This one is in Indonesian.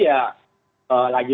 akan melupakan anda